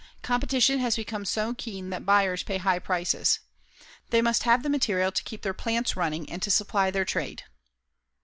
Competition has become so keen that buyers pay high prices. They must have the material to keep their plants running and to supply their trade.